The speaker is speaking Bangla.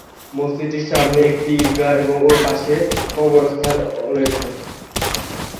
মসজিদটির সামনে একটি ঈদগাহ ও পাশে কবরস্থান রয়েছে।